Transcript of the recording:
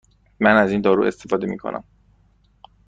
من از این دارو استفاده می کنم.